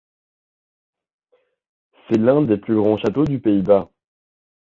C'est l'un des plus grands châteaux des Pays-Bas.